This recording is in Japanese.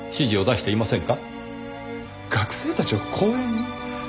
学生たちを公園に？